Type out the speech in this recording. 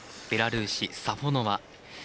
ベラルーシ、サフォノワ。